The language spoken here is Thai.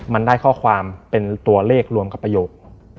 มันได้ข้อความเป็นตัวเลขรวมกับประโยค